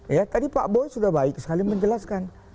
ya tadi pak boy sudah baik sekali menjelaskan